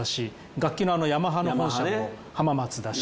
楽器のヤマハの本社も浜松だし。